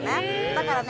だからね